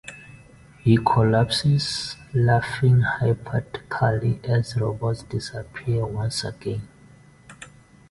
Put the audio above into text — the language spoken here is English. He collapses, laughing hysterically as robots disappear once again.